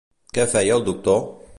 Què feia el doctor?